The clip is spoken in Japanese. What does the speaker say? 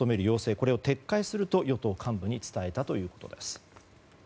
これを撤回すると与党幹部に伝えたということです。